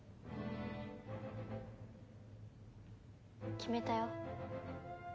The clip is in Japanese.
決めたよ。